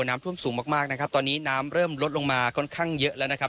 น้ำท่วมสูงมากมากนะครับตอนนี้น้ำเริ่มลดลงมาค่อนข้างเยอะแล้วนะครับ